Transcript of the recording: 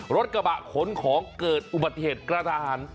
รถกระบะขนของเกิดอุบัติเหตุกระทหาร